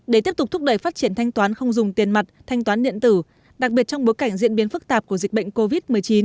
để tiếp tục thúc đẩy phát triển thanh toán không dùng tiền mặt thanh toán điện tử đặc biệt trong bối cảnh diễn biến phức tạp của dịch bệnh covid một mươi chín